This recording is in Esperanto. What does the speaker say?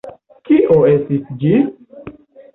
Kio estis ĝi?